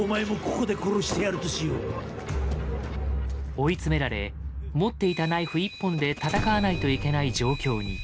追い詰められ持っていたナイフ１本で戦わないといけない状況に。